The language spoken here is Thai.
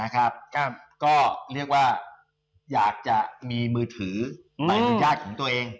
ก็เรียกว่าอยากจะมีมือถือใบอนุญาตของตัวเอง